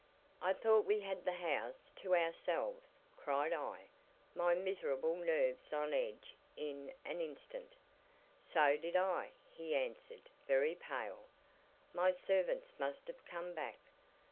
"I thought we had the house to ourselves?" cried I, my miserable nerves on edge in an instant. "So did I," he answered, very pale. "My servants must have come back.